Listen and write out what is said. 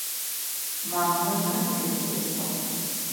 Мамунэм конфет естыгъ.